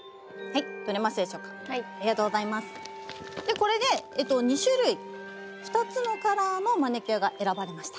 これで２種類２つのカラーのマニキュアが選ばれました。